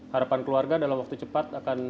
harapan keluarga dalam waktu cepat akan